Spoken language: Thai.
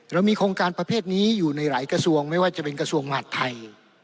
เรามีโครงการประเภทนี้อยู่ในหลายกระทรวงไม่ว่าจะเป็นกระทรวงมหาดไทย